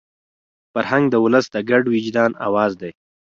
فرهنګ د ولس د ګډ وجدان اواز دی.